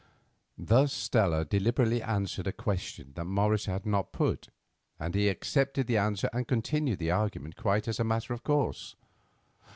Thus Stella deliberately answered a question that Morris had not put, and he accepted the answer and continued the argument quite as a matter of course.